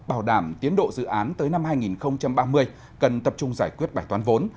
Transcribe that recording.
bảo đảm tiến độ dự án tới năm hai nghìn ba mươi cần tập trung giải quyết bài toán vốn